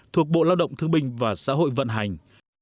thuộc bộ lao động thương binh và xã hội vận hành